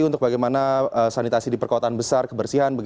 untuk bagaimana sanitasi di perkotaan besar kebersihan